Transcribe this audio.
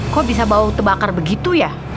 kok bisa bau terbakar begitu ya